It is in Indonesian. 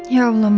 ya allah ma